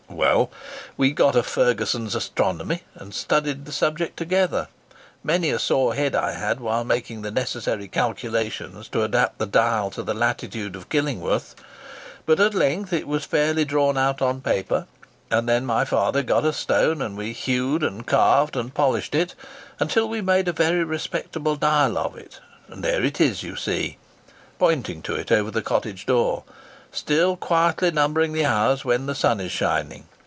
Well; we got a 'Ferguson's Astronomy,' and studied the subject together. Many a sore head I had while making the necessary calculations to adapt the dial to the latitude of Killingworth. But at length it was fairly drawn out on paper, and then my father got a stone, and we hewed, and carved, and polished it, until we made a very respectable dial of it; and there it is, you see," pointing to it over the cottage door, "still quietly numbering the hours when the sun is shining.